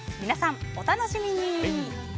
皆さん、お楽しみに。